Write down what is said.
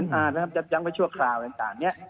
ในส่วนนั้นยับยั้งไว้ชั่วคราวต่างเนี่ย